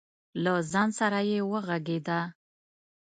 له ځان سره یې وغږېده.